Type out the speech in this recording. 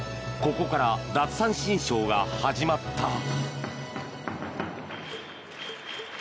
ここから奪三振ショーが始まった。